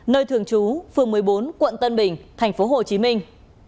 nơi thường trú phường một mươi bốn quận tân bình thành phố hồ chí minh